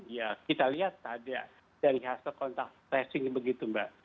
ya kita lihat ada dari hasil kontak tracing begitu mbak